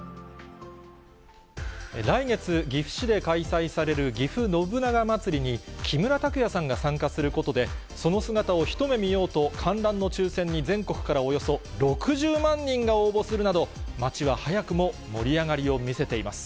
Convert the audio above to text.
来月、岐阜市で開催されるぎふ信長まつりに、木村拓哉さんが参加することで、その姿を一目見ようと、観覧の抽せんに全国からおよそ６０万人が応募するなど、街は早くも盛り上がりを見せています。